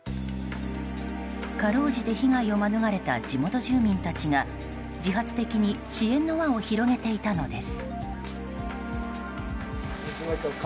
かろうじて被害を免れた地元住民たちが自発的に支援の輪を広げていたのです。